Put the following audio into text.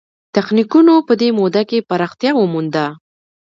تخنیکونو په دې موده کې پراختیا ومونده.